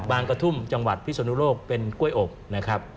กระทุ่มจังหวัดพิศนุโลกเป็นกล้วยอบนะครับ